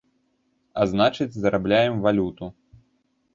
А значыць, зарабляем валюту.